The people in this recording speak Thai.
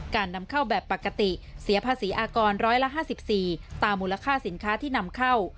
การนำเข้าแบบปกติเสียภาษีอากร๑๕๔ตามมูลค่าสินค้าที่นำเข้า